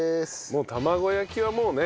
もう玉子焼きはもうね。